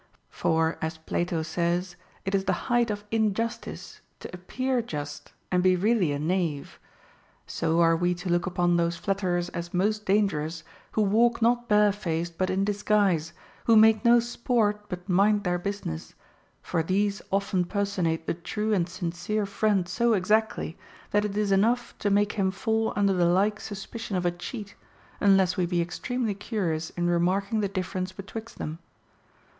For, as Plato says, It is the height of injustice to appear just and be really a knave. So are we to look upon those flatterers as most dangerous who walk not barefaced but in dis guise, who make no sport but mind their business ; for these often personate the true and sincere friend so ex actly, that it is enough to make him fall under the like suspicion of a cheat, unless we be extremely curious in remarking the difference betwixt them.